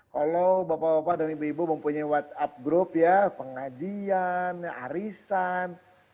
kalau bapak bapak dan ibu ibu mempunyai whatsapp group ya pengajian arisan